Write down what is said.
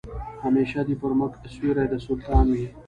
همېشه دي پر موږ سیوری د سلطان وي